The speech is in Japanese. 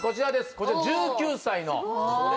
こちら１９歳のあ